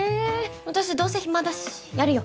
私どうせ暇だしやるよ。